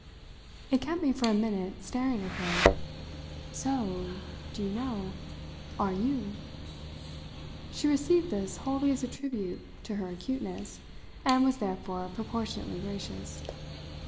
It kept me for a minute staring at her. "So do you know? are you!" She received this wholly as a tribute to her acuteness, and was therefore proportionately gracious.